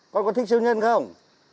con có thích siêu nhân không